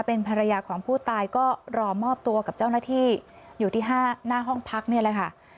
เป็นภรรยาของผู้ตายก็รอมอบตัวกับเจ้าหน้าที่อยู่ที่หน้าห้องพักนี่แหละค่ะ